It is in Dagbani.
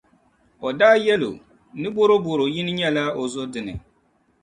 O daa yɛli o, ni bɔrobɔro yini nyɛla o zo dini.